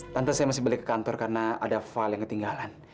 tante saya masih beli ke kantor karena ada file yang ketinggalan